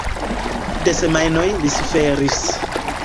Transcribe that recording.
De semajnoj li suferis.